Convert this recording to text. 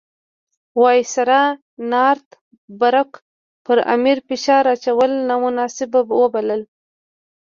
وایسرا نارت بروک پر امیر فشار اچول نامناسب وبلل.